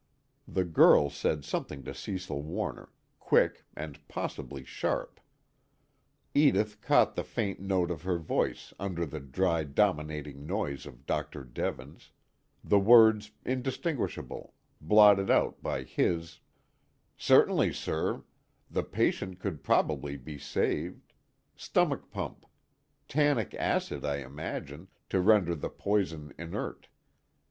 The girl said something to Cecil Warner, quick and possibly sharp; Edith caught the faint note of her voice under the dry dominating noise of Dr. Devens, the words indistinguishable, blotted out by his: "Certainly, sir, the patient could probably be saved. Stomach pump. Tannic acid I imagine, to render the poison inert.